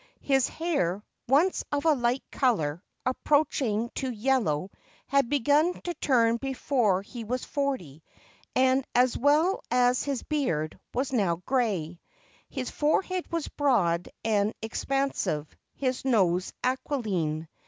His hair, once of a Hght color, approaching to yellow, had begun to turn before he was forty, and, as well as his beard, was now gray. His forehead was broad and ex pansive, his nose aquiline.